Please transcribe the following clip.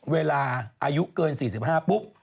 อายุเกิน๔๕ปุ๊บ